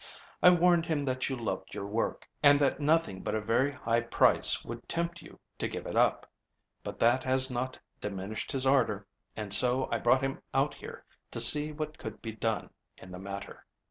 I warned him that you loved your work, and that nothing but a very high price would tempt you to give it up, but that has not diminished his ardor, and so I brought him out here to see what could be done in the matter."